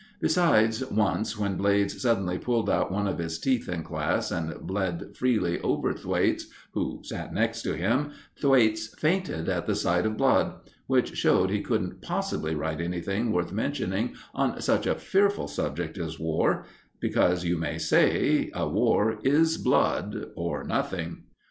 Besides, once, when Blades suddenly pulled out one of his teeth in class and bled freely over Thwaites, who sat next to him, Thwaites fainted at the sight of blood; which showed he couldn't possibly write anything worth mentioning on such a fearful subject as war; because, you may say, a war is blood or nothing.